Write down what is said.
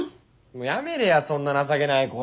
もうやめれやそんな情けない声。